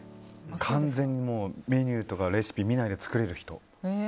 完全にメニューとかレシピを見ないで作れる人。